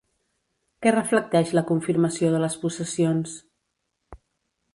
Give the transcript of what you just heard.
Què reflecteix la confirmació de les possessions?